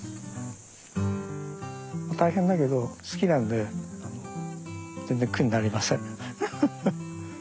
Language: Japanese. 大変だけど好きなんで全然苦になりません。